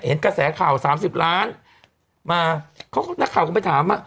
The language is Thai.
กระแสข่าวสามสิบล้านมาเขาก็นักข่าวก็ไปถามอ่ะ